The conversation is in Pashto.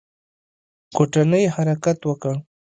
کوټنۍ حرکت وکړ.